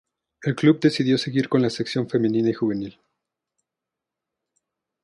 El club decidió seguir con la sección femenina y juvenil.